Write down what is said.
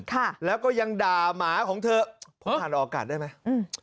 ค่ะแล้วก็ยังด่าหมาของเธอหันออกการได้ไหม